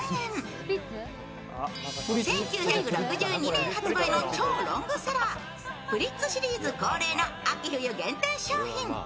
１９６２年発売の超ロングセラープリッツシリーズ恒例の秋の限定商品。